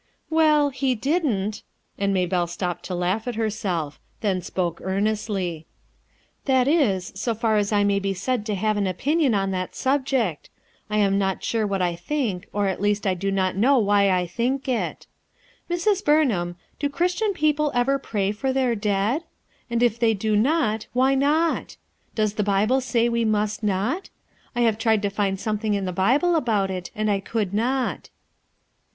"Well, he didn't," and Maybelle stopped to laugh at herself; then spoke earnestly. "That is, so far as I may be said to have an 304 RUTH ERSKINE'S SON opinion on that subject; I am not sure what I think, or at least I do not know why I think it. Mrs. Bitrnham, do Christian people ever pray for Ibrir dead ? And if they do not, why Il0t . Does the Bible say we must not ? I have tried to find something in the Bible about it, and I could not."